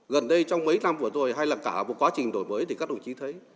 gần đây trong mấy năm vừa rồi hay là cả một quá trình đổi mới thì các đồng chí thấy